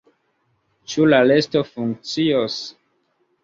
Ĉu la resto funkcios?